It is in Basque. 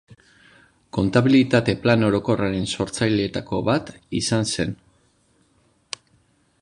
Kontabilitate Plan Orokorraren sortzaileetako bat izan zen.